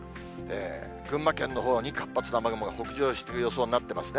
群馬県のほうに活発な雨雲が北上する予想になってますね。